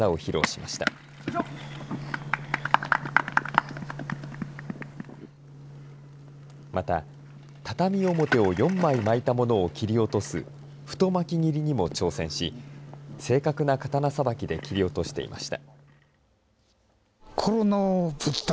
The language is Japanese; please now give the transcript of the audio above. また、畳表を４枚巻いたものを切り落とす太巻斬りにも挑戦し正確な刀さばきで切り落としていました。